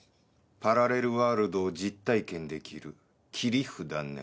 パラレルワールドを実体験できる切り札ね。